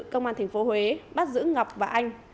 công an tp huế bắt giữ ngọc và anh